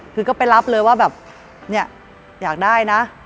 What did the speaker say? คือก็ไปรับเลยว่าแบบเนี่ยอยากได้นะ